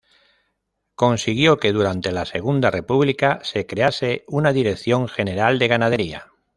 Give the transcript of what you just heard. Consiguió que durante la Segunda República se crease una Dirección General de Ganadería.